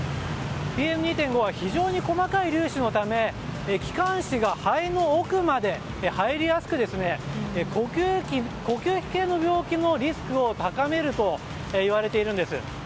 ＰＭ２．５は非常に細かい粒子のため気管支や肺の奥まで入りやすく呼吸器系の病気のリスクを高めるといわれているんです。